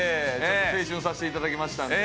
青春させていただきましたんで。